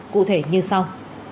cụ thể như sau